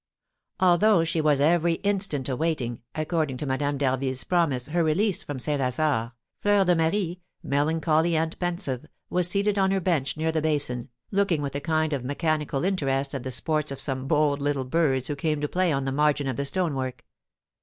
Although she was every instant awaiting, according to Madame d'Harville's promise, her release from St. Lazare, Fleur de Marie, melancholy and pensive, was seated on her bench near the basin, looking with a kind of mechanical interest at the sports of some bold little birds who came to play on the margin of the stone work.